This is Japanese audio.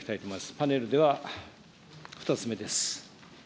パネルでは２つ目です。